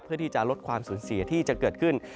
เพื่อที่จะลดความสูญเสียที่จะเกิดขึ้น